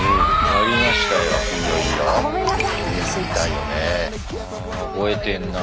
あ覚えてんな。